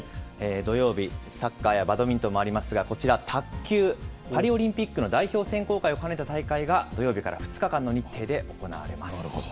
土曜日、サッカーやバドミントンもありますが、こちら、卓球、パリオリンピックの代表選考会を兼ねた大会が土曜日から２日間の日程で行われます。